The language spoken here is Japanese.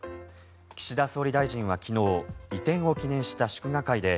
岸田総理大臣は昨日移転を記念した祝賀会で